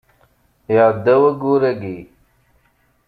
Iɛedda wayyur yagi.